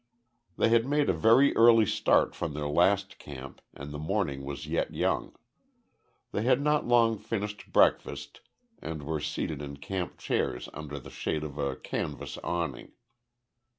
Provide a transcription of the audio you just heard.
They had made a very early start from their last camp, and the morning was yet young. They had not long finished breakfast, and were seated in camp chairs under the shade of a canvas awning.